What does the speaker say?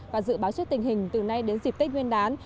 và dự báo trước tình hình từ nay đến dịp tết nguyên đán